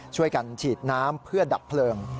ช่วยกันฉีดน้ำเพื่อดับเพลิง